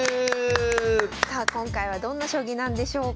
さあ今回はどんな将棋なんでしょうか。